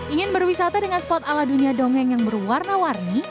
ingin berwisata dengan spot ala dunia dongeng yang berwarna warni